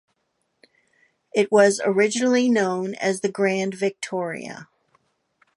It was originally known as the "Grand Victoria".